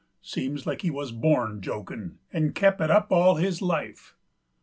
Seems like he wuz born jokin' 'nd kep' it up all his life.